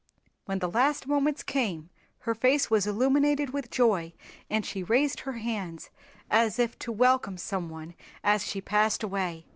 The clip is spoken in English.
When the last moments came her face was illuminated with joy and she raised her hands as if to welcome someone as she passed away.